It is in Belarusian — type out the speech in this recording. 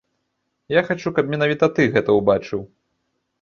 Я хачу, каб менавіта ты гэта ўбачыў!